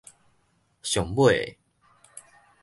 上尾的